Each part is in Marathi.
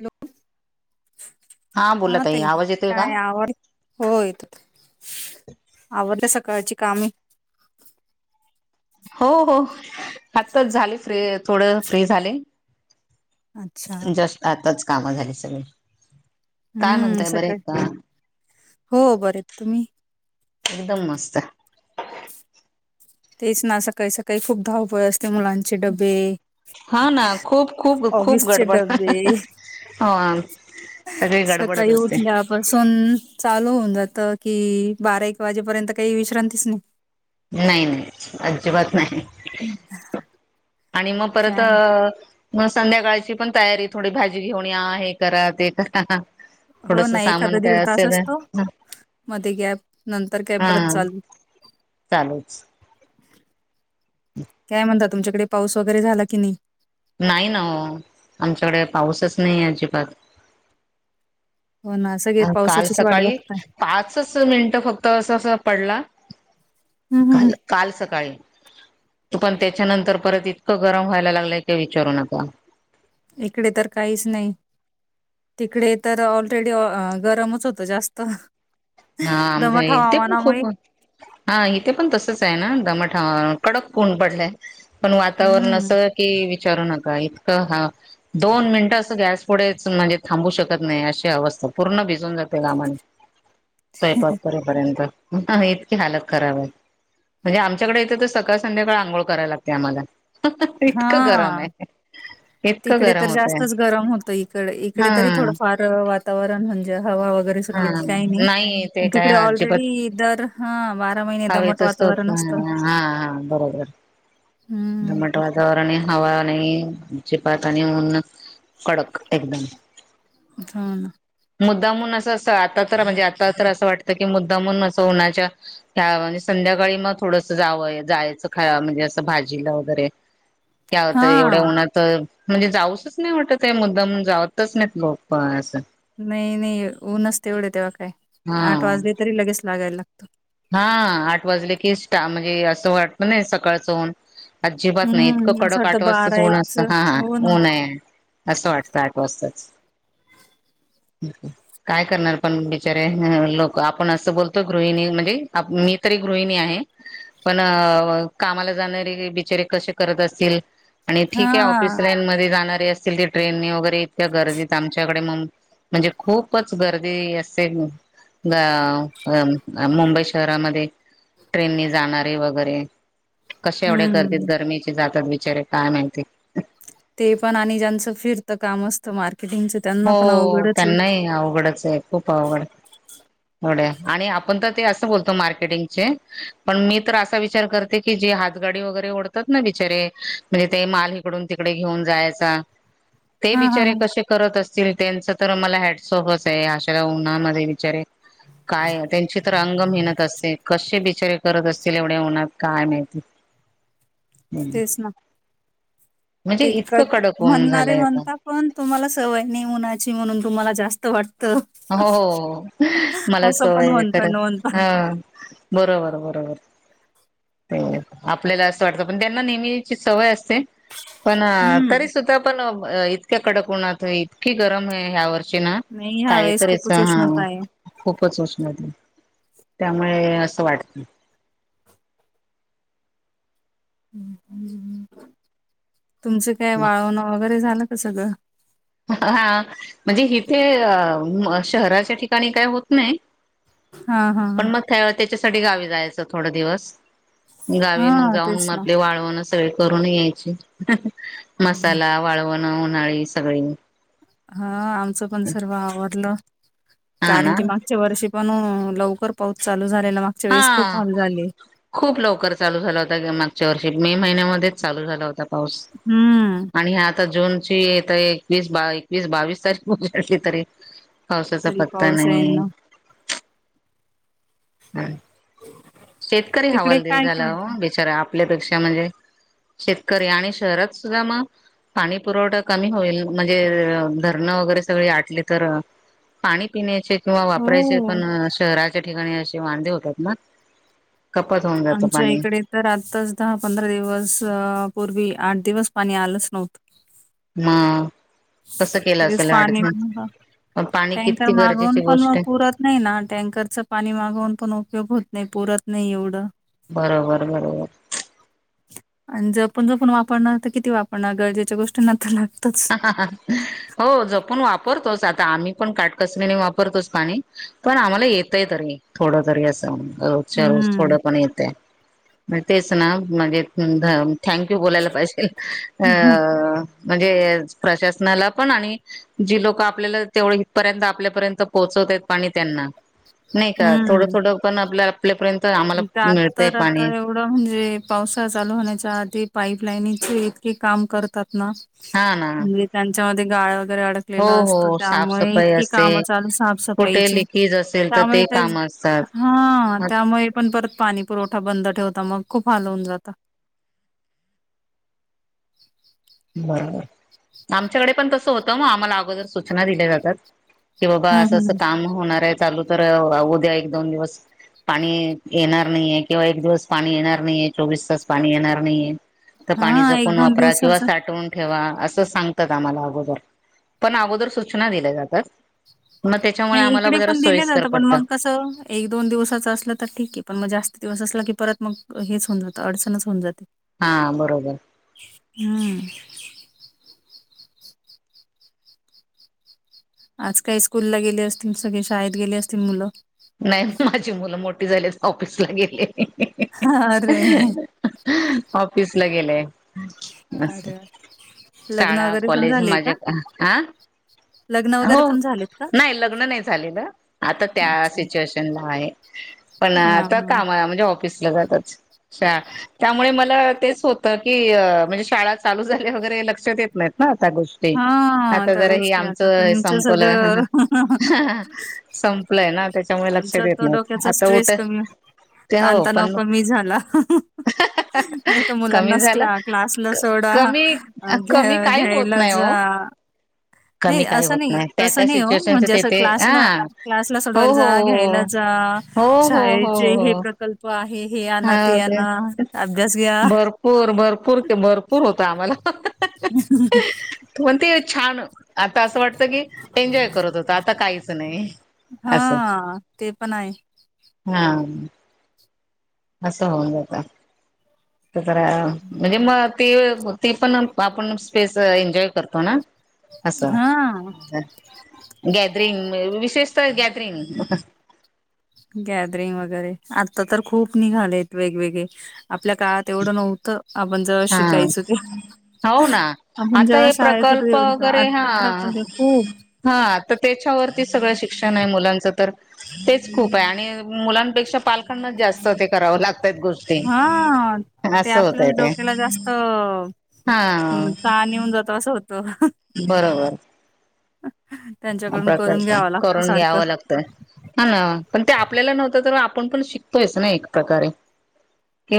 हॅलो बोला हा ताई आवाज येतोय का? काय आवरलं? होय आवरली सकाळची कामे. हो हो आत्ताच झाली फ्री थोड फ्री झाले. अच्छा जस्ट आताच कामं झाली सगळे काय हम्म म्हणताय बरं सकाळी आहेत का हो बरे तुम्ही एकदम मस्त तेच ना सकाळी सकाळी खूप धावपळ असते मुलां हा ना खूप खूप खूप ऑफिसचे गडबड डबे हो सगळी गडबडच असते बसून चालू होऊन जात कि बारा एक वाजेपर्यंत काही विश्रांतीच नाही नाही नाही अजिबात नाही आणि मग परत अ काय मग संध्याकाळची पण तयारी थोडी भाजी घेऊन या हे करा ते करा हो थोडस नाही सामान एखादा दीड काय तास असेल असतो मध्ये गॅपनंतर काय हा परत चालू चालूच काय म्हणता तुमच्याकडे पाऊस वगैरे झाला की नाही नाही ना ओ आमच्याकडे पाऊसच नाही अजिबात हो ना सगळे आणि काल पावसाचीच वाट सकाळी बघताय पाचच मिनटं फक्त अस अस पडला हम्म हम्म काल हम्म. काल सकाळी तू पण त्याच्यानंतर परत इतकं गरम व्हायला लागलंय काय विचारू नका इकडे तर काहीच नाही तिकडे तर ऑलरेडी गरमच होत जास्त हा आमच्या दमट इथे पण हवामानामुळे खूप हा इथे पण तसंच आहे ना दमट कडक ऊन पडलय पण वातावरण अस हम्म. की विचारू नका इतकं हा दोन मिनट अस गॅस पुढेच म्हणजे थांबू शकत नाही अशी अवस्था पूर्ण भिजून जाते घामाने स्वंयपाकरेपर्यंत ह इतकी हालत खराब आहे म्हणजे आमच्याकडे येथे तर सकाळ संध्याकाळ आंघोळ करायला लागते आम्हाला इतकं गरम हां. आहे इतकं तिकडे गरम तर होतय जास्तच गरम होतं इकडे इकडे हा तरी थोडंफार वातावरण म्हणजे हवा वगैरे हा सुटली की काही नाही तिकडे ऑलरेडी तर हवेचच तर हा हा बरोबर हम्म. दमट वाता वर आणि हवा आणि जिपाक आणि ऊन कडक एकदम ह मुद्दामून असं अस आता तर म्हणजे आता तर असं वाटतं की मुद्दामून असं उन्हाच्या ह म्हणजे संध्याकाळी मग थोडंसं जावंय जायचं खा म्हणजे असं भाजीला वगैरे काय होतंय एवढे हां. ऊनात तर म्हणजे जाऊचंच नाही वाटत मुद्दाम जावतच नाहीत लोक असं नाही नाही ऊनच एवढे तेव्हा काय हा आठ वाजले तरी लगेच लागायला लागतो हा आठ वाजले की स्टा म्हणजे असं वाटत नाही सकाळचं ऊन अजिबात नाही इतकं हम्म. असं कडक आठ वाटतं वाजतच ऊन असतं हा हो ना. ऊन आहे असं वाटतं आठ वाजताच काय करणार पण बिचारे लोक आपण असं बोलतो गृहिणी म्हणजे मी तरी गृहिणी आहे पण कामाला जाणारे बिचारे कसे करत असतील आणि ठीक आहे ऑफिस हां. लाईन मध्ये जाणारे असतील ती ट्रेनने वगैरे इतक्या गर्दीत आमच्याकडे म म्हणजे खूपच गर्दी असते मुंबई शहरामध्ये ट्रेनने जाणारे वगैरे कशा एवढ्या गर्दीत हम्म. गर्मीचे जातात बिचारे काय माहिती ते पण आणि ज्यांचं फिरतं काम असतं मार्केटिंगच हो त्यांनाही अवघडच आहे खूप अवघड ड्या आणि आपण तर ते असं बोलतो मार्केटिंगचे पण मी तर असा विचार करत की जी हातगाडी वगैरे ओढतात ना बिचारे म्हणजे ते माल हिकडून तिकडे घेऊन जायचा [inaudible] ते बिचारे हां. कसे करत असतील त्यांच तर मला हॅडसॉफच आहे आशा उन्हामध्ये बिचारे काय त्यांची तर अंग मेहनत असते कसे बिचारे करत असतील एवढ्या होणार काय माहिती तेच ना म्हणजे ते क इतकं कडक ऊन म्हणणारे झालंय आता म्हणता पण तुम्हाला सवयने उणायची म्हणून तुम्हाला जास्त वाट हो मला असं पण सवय ख म्हणता न म्हणता. ह बरोबर बरोबर आपल्याला असं वाटतं पण त्यांना नेहमीची सवय असते पण हम्म. तरी सुद्धा पण इतक्या कडक उन्हात इतकी गरम आहे ह्या वर्ष ना नाही ह्या काय वेळेस तरीच खूपच हा उष्णता आहे. खूपच उष्णते त्यामुळे असं वाटत तुमचं काय वाळवणं वगैरे झालं का सगळं हा म्हणजे इथे शहराच्या ठिकाणी काय होत नाही हा हा हा त्या त्याच्यासाठी गावी जायचं थोड दिवस गावी मग हां, जाऊन तेच म ना. आपले वाळवण स करून यायची मसाला वाळवण उन्हाळी सगळी हा आमचं पण सर्व आवरलं हा कारण ना की मग गच्या वर्षी पण लवकर पाऊस चालू झालेलाग हा खूप लवकर चालू झाला होता मागच्या वर्षी मे महिन्यामध्येच चालू झाला होता पाऊस हम्म आणि ह आता जून ची येत एकवीस एकवीस बावीस तारीखली तरी पावसाचा तरी पत्ता पाऊस नाहीये येईना. ह शेतकरी तिकडे हवालदल काय झाला करता? बिचारा आपल्यापेक्षा म्हणजे शेतकरी आणि शहरात सुद्धा मग पाणी पुरवठा कमी होईल म्हणजे धरणं वगैरे सगळी आटली तर पाणी पिण्याचे किंवा वापरायचे हो पण शहराच्या ठिकाणी असे वांदे होतात मग आमच्या इकडे तर आत्ताच दहा पंधरा दिवस पूर्वी आठ दिवस पाणी आलंच नव्हतं ह कसं केलं लगेच असेल पाणी अठधण पाणी टँकर किती मागवून गरजेची पण गोष्ट मग आहे पुरत नाही ना टँकरचं पाणी मागवून पण उपयोग होत नाही पुरत नाही एवढं बरोबर बरोबर आणि जपण जपून वापरण तर किती वापरणं गरजेच्या गोष्टींना आता लागतच हो जपून वापरतोच आता आम्ही पण काटकसरीने वापरतोच पाणी पण आम्हाला येतय तरी थोडं तरी असं म्हण रोजच्या रोज थोड हम्म. पण येतय म्हणज तेच ना म्हणजे थँकू बोलायला पाहिजे अ म्हणजे प्रशासनाला पण आणि जी लोक आपल्याला तेवढ इथपर्यंत आपल्यापर्यंत पोहोचवतायत पाणी त्यांना नाही का थोडं हम्म. थोडं पण आपल्या आपल्यापर्यंत आम्हाला मिळतय पाणी थोडा म्हणजे पावसा चालू होण्याच्या आधी पाईप लाईनचे इतके काम करतात ना हा ना म्हणजे त्यांच्यामध्ये गाळ वगैरे अड हो ले असतो हो त्यामुळे साफसफाई इतके असते काम चालू कुठे साफसफाईचे लिकेज असेल त्यामुळे ते तर काम असतात हा मग त्यामुळे पण परत पाणी पुरवठा बंद ठेवता मग खूप हलवून जात बरोबर आमच्याकडे पण तसं होतं मग आम्हाला अगोदर सूचना दिल्या जातात कि बाबा हं असं असं हं काम होणार आहे चालू तर होऊ द्या एक दोन दिवस पाणी येणार नाहीये किंवा एक दिवस पाणी येणार नाहीये चोवीस तास पाणी येणार नाहीये तर पाणीचा हा एक पण दोन वापरा किंवा दिवसाच सा साठवून ठेवा असं सांगतात आम्हाला अगोदर पण अगोदर सूचना दिल्या जातात मग त्याच्यामुळे नाही आम्हाला इकडे जरा पण दिले सोयीस्कर जात पण पडतं. मग कसं एक दोन दिवसाच असलं तर ठीक आहे पण मग जास्त दिवस असला की परत मग हेच होवून जातं अडचणच होऊन जाते हा बरोबर हम्म आज काही स्कूलला गेले असतील सगळे शाळेत गेले असतील मुलं नाही माझी मुलं मोठी झाली ऑफिसला गेली अरे ऑफिसला गेलाय अरे लग्न शाळा वगैरे पण कॉलेज झालेय माझ्या का हा लग्न वगैरे हो पण झालेत का? नाही लग्न नाही झालेलं आता त्या अच्छा सिच्युएशनला आहे पण हा आ हा काम म्हणजे ऑफिसला जातच त्यामुळे मला तेच होतं की म्हणजे शाळा चालू झाल्या वगैरे लक्षात येत नाहीत ना आ त्या गोष्टी हा आता त्या जरा ह गोष्टी आम आता तुमचं संपलं सगळं संपलंय ना त्याच्यामुळे लक्ष देत नाही त्याचा स्ट्रेस कमी ताण तणाव पण कमी झाला नाही तर कमी मुलांनाच झाला क्ला क्लासला सोडा कमी कमी घ काही होत घ्यायला नाही जा हो नाही कमी काही असं होत नाही त्या असं त्या नाही हो सिच्युएशनच म्हणजे असं तेथे क्लासला हा क्लासला हो सोडवायला जा घ्यायला हो जा हो हो हो शाळेचे हो हे हो प्रकल्प आहे हे आणा हा ते आणा अभ्यास घ्या पर भरपूर भरपूर होत आम्हाला ह [unintelligible] तोते छान आता असं वाटतं की एन्जॉय करत होत आता काहीच नाही असं हां, ते पण आहे हा असं होऊन जातं तररा म्हणजे मग ती ती पण आपण स्पेस एन्जॉय करतो ना असं हां, गॅदरिंग विशेषत गॅदरिंग गॅदरिंग वगैरे आता तर खूप निघालेत वेगवेगळे आपल्या काळात एवढं नव्हतं आपण ज हा शिकायचं ते हो ना आपण आता जेव्हा हे शाळेत होत प्रकल्प तेवढ वगैरे आत्ता हा प्रकल् आहे खूप हा तर त्याच्यावरती सगळं शिक्षण आहे मुलांचं तर तेच खूप आहे आणि मुलांपेक्षा पालखांनाच जास्त ते करावं लागत गोष्टी असं होतय ते त्याला जास्त हा हाऊन जातो असं होतो बरोबर अ हा हा प्रकल्प करून घ्याव लागतं हा ना पण ते आपल्याला नव्हतं तर आपण पण शिकतोयच ना एक प्रकारे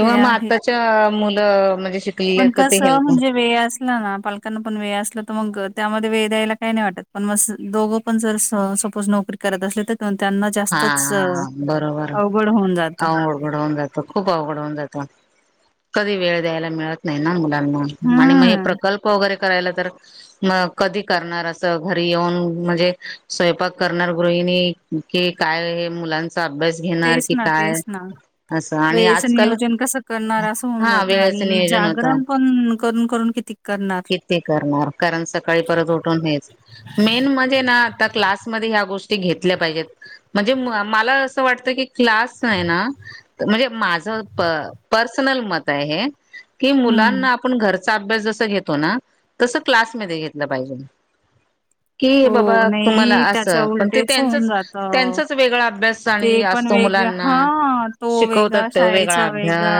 ते मग आहे. आताच्या मुलं म्हणजे श पण कस म्हणजे वेळ अस ना पालकांना पण वेळ असलं तर मग त्यामध्ये वेळ द्यायला काही नाही वाटत पण म दोघ ण जर सपोज नोकरी करत अस तर त्यांना हा जास्तच हा अवघड होऊन जात वघड होऊन जात खूप अवघड होऊन जात कधी वेळ द्यायला मिळत नाही ना मुला आणि मग हम्म प्रकल्प वगैरे करायला तर मग कधी करणार असं घरी येऊन म्हणजे स्वयंपाक करणार गृहिणी कि काय हे मुलांचा अभ्यास घेणार तेच की ना काय तेच ना असं आणि वेळेचं आजकाल नियोजन कसं करणार असं होऊन हा जात वेळेचं आणि नियोजन होतं जागरण पण करून करून किती करणार. किती करणार कारण सकाळी परत उठून हेच मेन म्हणजे ना आता क्लासमध्ये ह्या गोष्टी घेतल्या पाहिजेत म्हणजे मला असं वाटत कि क्लास आहे ना म्हणजे माझं प पर्सनल मत हाय हे, की हम्म मुलांना आ पण घरचा अभ्यास जस घेतो ना तस क्लासमध्ये घेतलं पाहिजे. कि बाबा हो तुम्हाला नाही त्याच्या असं पण ते उलटेच होऊन त्यांचच - - जातं. त्यांचाच वेगळा ते अभ्यासी पण असतो वेग मुलांना हा शिकवतात तो वेगळा - - वेगा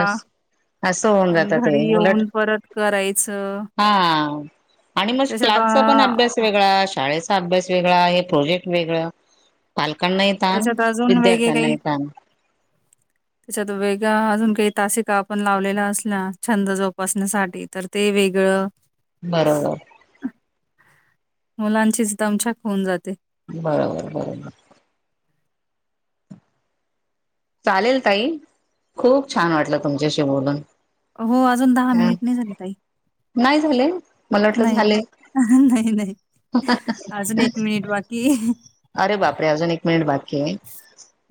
आणि घरी ते उलट येऊन परत करायचं. हा आणि म त्याच्यात क्लासचा पण अ, अभ्यास वेगळा. शाळेचा - - अभ्यास वेगळा हे प्रोजेक्ट वेगळ पालकांनाही तान, त्याच्यात अजून वेगळे काही विद्यार्थ्यांनाही ताण. [inaudible] त्याच्यात वेगा अजून काही तासिका आपण लावलेल्या असल्या छंद जोपासण्यासाठी तर ते वेगळं बरोबर. मुलांचीच तमच्याक ख होऊन जाते. बरबर. चालेल ताई. खूप छान वाटलं तुमच्याशी बोलून. हो. अजून दहा हा मिनिट नाही झाली ताई. नाही झाले मला वाटलं नाही, झाले नाही, नाही. अजुन एक मिनिट बाकी हाय. अरे बापरे! अजून एक मिनिट बाकी हाय.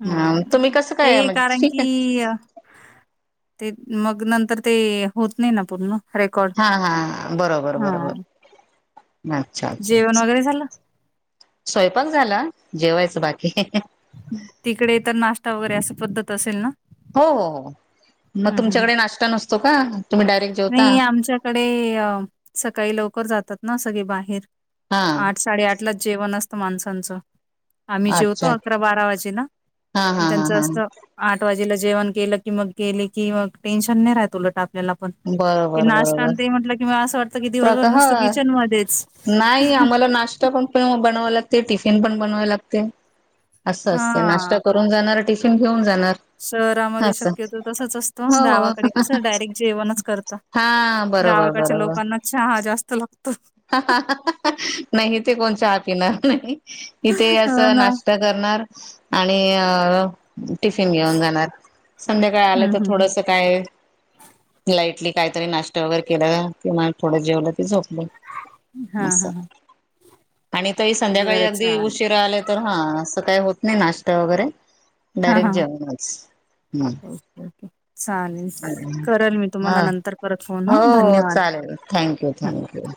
हं. तुम्ही कस ते कारण की कि ते मग नंतर ते होत नाही ना पूर्ण. रेकॉर्ड. हा. हा. बरोबर, बरोबर. हां, अच्छा, अच्छा. जेवण वगैरे झालं? स्वयंपाक झाला. जेवायच बाकी. तिकडे तर नाश्ता वगैरे असं पद्धत असेल ना? हो, हो, हो. मग हं, हं, हं. तुमच्याकडे नाश्ता नसतो का तुम्ही डायरेक्ट जेवता? कडे सकाळी लवकर जातात ना सगळी बाहेर हा आठ साडेआठ - - लाचं जेवण असतं माणसांचं. आम्ही जेवतो अच्छा अकरा बारा वाजे ना हा हा हा त्यांचं हा असं आठ वाजेला जेवण केलं की मग गेले की मग टेन्शन नाही राहत उलट आप आपल्याला पण ते बरोबर नाष्टा बरोबर अन ते म्हटलं कि असं वाट - - की दिवसभर प्रका हा नुस्त किचन मध्येच. नाही आम्हाला नाश्ता पण बनवाय लागते. टिफिन पण बनवाय लागते असं असते. नाश्ता हां. करून जाणार टिफीन घेऊन जाणार. शहरामध्ये असं शक्यतो तसच असत. हो हो गावाकडे कसं डायरेक्ट जेवणच करता. हा बरोबर गावाकडच्या बरोबर लोकांना चहा जास्त लागतो. नाही ते कोण च पिणार नाही इथे हो असं ना. नाश्ता - - करणार आणि अ टिफिन घेऊन जाणार. संध्याकाळी हं, आलं तर हं, हं. थोडस काय लाईटली काहीतरी नाश्ता वगैरे केला कि थोडं जेवलं की झोपलं - - हां, अस हां, हां. आणि तही संध्याकाळी बरं अगदी चालेल. उशीरा आले तर हा असं काय होत नाही नाश्ता वगैरे हा डायरेक्ट हा जेवणच. हम्म ओके ओके. चालेल. करेल मी तुम्हाला हा नंतर परत फोन हो हं हो धन्यवाद. चालेल थँक्यू, थँक्यू.